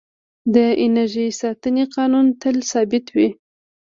د انرژۍ ساتنې قانون تل ثابت وي.